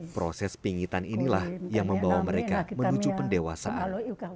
proses pingitan inilah yang membawa mereka menuju pendewasaan